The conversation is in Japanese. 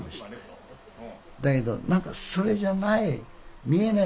だけどなんかそれじゃない見えない